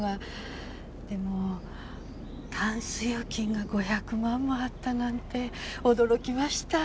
でもタンス預金が５００万もあったなんて驚きました。